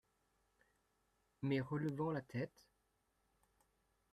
Mais relevant la tête.